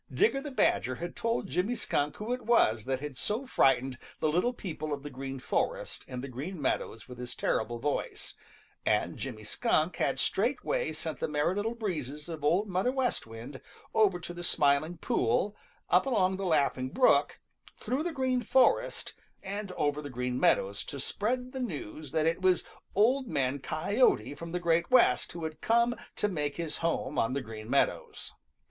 Digger the Badger had told Jimmy Skunk who it was that had so frightened the little people of the Green Forest and the Green Meadows with his terrible voice, and Jimmy Skunk had straightway sent the Merry Little Breezes of Old Mother West Wind over to the Smiling Pool, up along the Laughing Brook, through the Green Forest, and over the Green Meadows to spread the news that it was Old Man Coyote from the Great West who had come to make his home on the Green Meadows.